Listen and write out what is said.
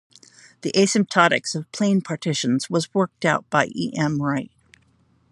The asymptotics of plane partitions was worked out by E. M. Wright.